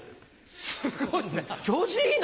すごいな。